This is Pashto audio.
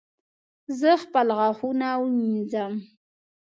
زه خپل غاښونه وینځم